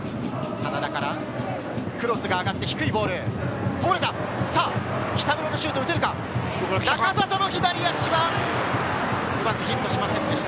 真田からクロスが上がって低いボール、こぼれた！